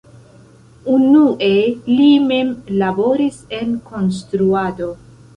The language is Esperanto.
Unue li mem laboris en konstruado.